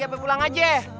sampai pulang aja